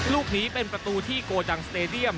ลูกนี้เป็นประตูที่โกดังสเตดียม